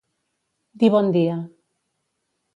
Dir bon dia.